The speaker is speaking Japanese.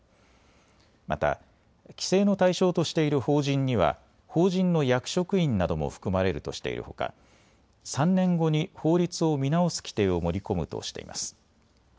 また規制の対象としている法人には法人の役職員なども含まれるとしているほか、３年後に法律を見直す規定を盛り込むとしています。